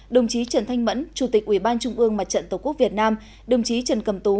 đồng chí trần thanh mẫn chủ tịch ủy ban trung ương mặt trận tổ quốc việt nam đồng chí trần cầm tú